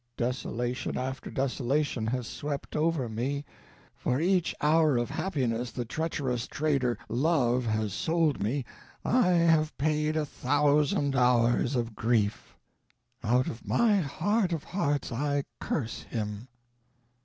Desolation after desolation has swept over me; for each hour of happiness the treacherous trader, Love, has sold me I have paid a thousand hours of grief. Out of my heart of hearts I curse him."